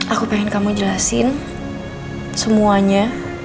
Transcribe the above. aku pengen kamu jelasin semuanya